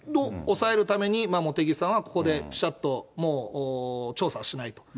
抑えるために茂木さんはここでぴしゃっともう、調査はしないと。